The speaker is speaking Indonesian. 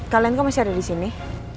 kalian kok masih ada disini